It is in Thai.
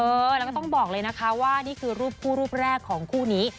เออแล้วก็ต้องบอกเลยนะคะว่านี่คือรูปคู่รูปแรกของคู่นี้